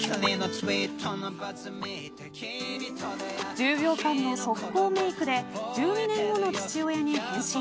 １０秒間の速攻メークで１２年後の父親に変身。